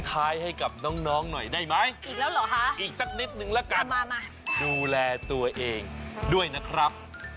ตรงนี้ถึง๘ธันวาคม